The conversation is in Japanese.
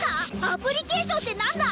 アプリケーションって何だ？